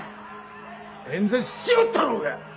演説しよったろうが！